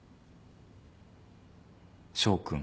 翔君。